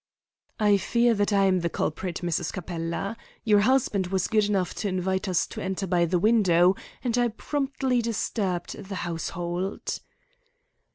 "I fear that I am the culprit, Mrs. Capella. Your husband was good enough to invite us to enter by the window, and I promptly disturbed the household."